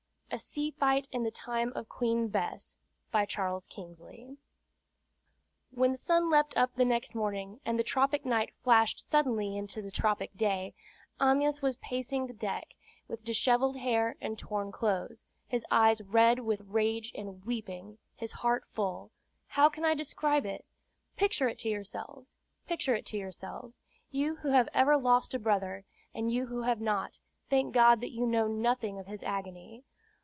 A SEA FIGHT IN THE TIME OF QUEEN BESS By Charles Kingsley When the sun leaped up the next morning, and the tropic night flashed suddenly into the tropic day, Amyas was pacing the deck, with dishevelled hair and torn clothes, his eyes red with rage and weeping, his heart full how can I describe it? Picture it to yourselves, picture it to yourselves, you who have ever lost a brother; and you who have not, thank God that you know nothing of his agony.